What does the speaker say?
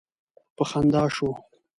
په خندا شو.